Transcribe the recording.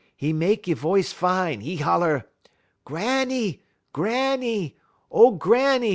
'E make 'e v'ice fine: 'e holler: "'_Granny! Granny! O Granny!